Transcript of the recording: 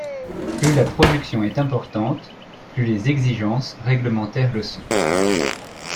Plus la production est importante, plus les exigences règlementaires le sont.